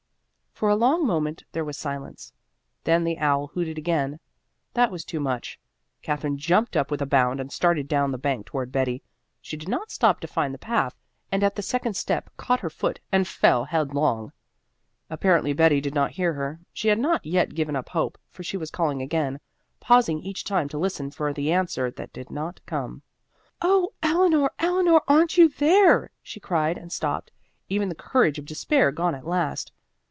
For a long moment there was silence. Then the owl hooted again. That was too much. Katherine jumped up with a bound and started down the bank toward Betty. She did not stop to find the path, and at the second step caught her foot and fell headlong. Apparently Betty did not hear her. She had not yet given up hope, for she was calling again, pausing each time to listen for the answer that did not come. "Oh, Eleanor, Eleanor, aren't you there?" she cried and stopped, even the courage of despair gone at last.